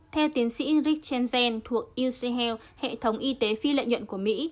theo tiến sĩ rick chenzen thuộc uc health hệ thống y tế phi lợi nhuận của mỹ